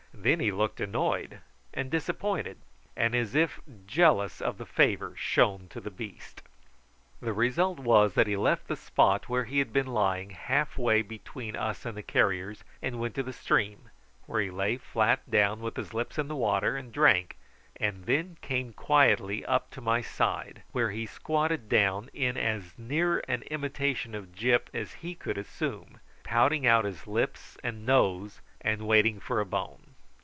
Then he looked annoyed and disappointed, and as if jealous of the favour shown to the beast. The result was that he left the spot where he had been lying half way between us and the carriers, went to the stream, where he lay flat down with his lips in the water, and drank, and then came quietly up to my side, where he squatted down in as near an imitation of Gyp as he could assume, pouting out his lips and nose and waiting for a bone.